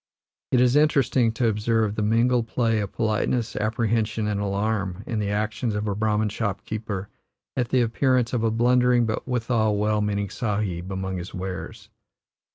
It is interesting to observe the mingled play of politeness, apprehension, and alarm in the actions of a Brahman shopkeeper at the appearance of a blundering, but withal well meaning Sahib, among his wares.